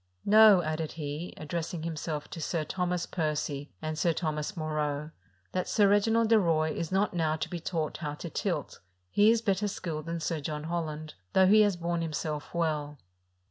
" Know," added he, addressing himself to Sir Thomas Percy and Sir Thomas Moreaux, " that Sir Reginald de Roye is not now to be taught how to tilt: he is better skilled than Sir John Holland, though he has borne himself well."